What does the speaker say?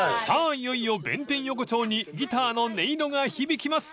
いよいよ弁天横丁にギターの音色が響きます］